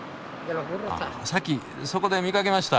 あさっきそこで見かけました。